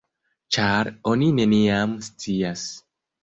Ĉar oni neniam scias!